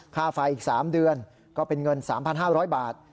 ค่าไฟอีก๓เดือนก็เป็นเงิน๓๕๐๐บาท